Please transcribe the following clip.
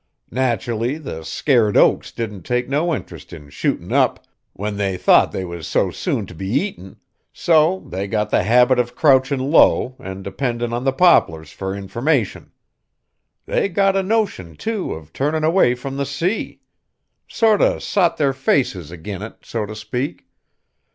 Naterally the scared oaks didn't take no interest in shootin' up, when they thought they was so soon t' be eaten, so they got the habit of crouchin' low an' dependin' on the poplars fur information. They got a notion, too, of turnin' away from the sea. Sort o' sot their faces agin it, so t' speak.